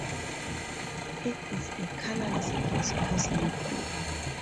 It is a colorless viscous liquid.